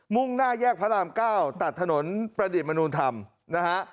่งหน้าแยกพระราม๙ตัดถนนประดิษฐมนุนธรรมนะฮะ